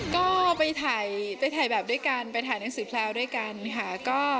ก็ไปถ่ายแบบด้วยกันไปถ่ายหนังสือแพลวด้วยกันค่ะ